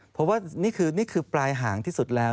เพราะว่านี่คือนี่คือปลายห่างที่สุดแล้ว